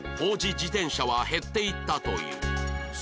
自転車は減っていったという